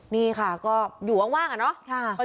นี่ค่ะก็อยู่ว่างอะเนาะ